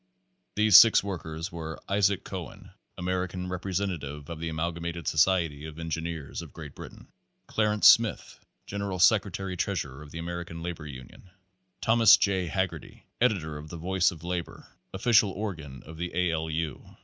These six workers were Isaac Cowen, American representative of the Amalgamated Society of Engin eers of Great Britain, Clarence Smith, general secre tary treasurer of the American Labor Union, Thomas J. Hagerty, editor of the "Voice of Labor," official or gan of the A. L. U.